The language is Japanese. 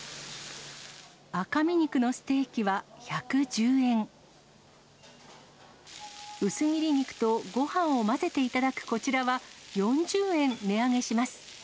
赤身肉のステーキは１１０円、薄切り肉とごはんを混ぜて頂くこちらは、４０円値上げします。